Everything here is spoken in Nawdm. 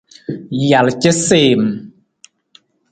Jal casiim.